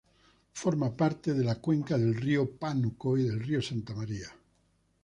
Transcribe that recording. Forma parte de la cuenca del río Pánuco y del río Santa María.